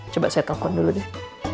coba saya telpon dulu deh